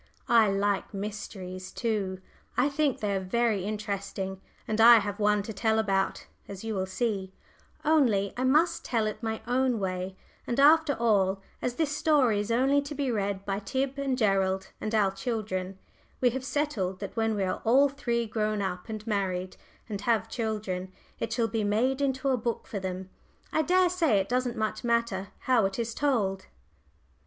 I like mysteries, too I think they are very interesting, and I have one to tell about, as you will see, only I must tell it my own way, and after all, as this story is only to be read by Tib and Gerald and our children we have settled that when we are all three grown up and married, and have children, it shall be made into a book for them I daresay it doesn't much matter how it is told.